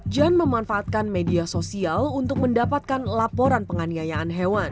jan memanfaatkan media sosial untuk mendapatkan laporan penganiayaan hewan